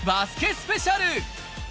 スペシャル